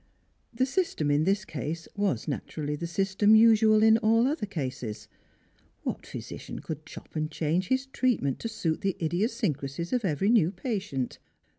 The system in this case was naturally the system usual in all other cases ; what physician could chop and change his treatment to suit the idiosyncrasies of every new patient